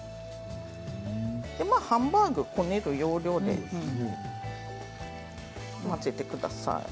ハンバーグをこねる要領で混ぜてください。